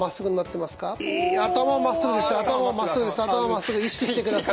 まっすぐ意識してください。